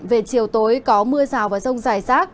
về chiều tối có mưa rào và rông dài rác